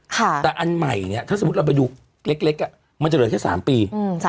แต่อันใหม่เนี่ยถ้าสมมุติเราไปดูเล็กมันจะเหลือแค่๓ปี